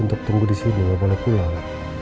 untuk tunggu disini gak boleh pulang